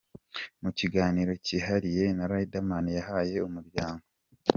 Mu kiganiro kihariye Ridermana yahaye Umuryango.